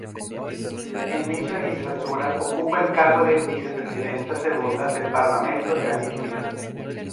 En dicha legislatura ocupa el cargo de Vicepresidenta segunda del Parlamento de Galicia.